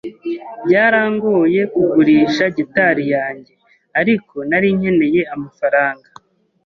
Byarangoye kugurisha gitari yanjye, ariko nari nkeneye amafaranga.